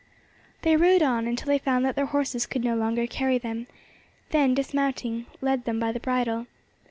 They rode on until they found that their horses could no longer carry them, then, dismounting, led them by the bridle.